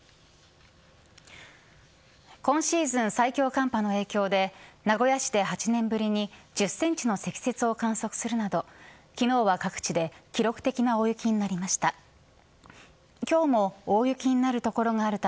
今シーズン最強寒波の影響で名古屋市で８年ぶりに１０センチの積雪を観測するなど昨日は各地で記録的な大雪になりました。